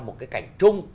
một cái cảnh chung